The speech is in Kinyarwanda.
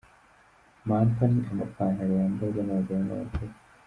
Mampa ni amapantalo yambarwa n’abagabo n’abagore.